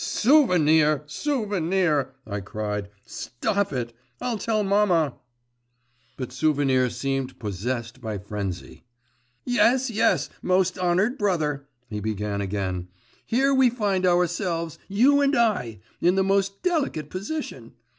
… 'Souvenir, Souvenir!' I cried. 'Stop it, I'll tell mamma.' But Souvenir seemed possessed by frenzy. 'Yes, yes, most honoured brother,' he began again, 'here we find ourselves, you and I, in the most delicate position.